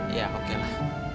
ya oke lah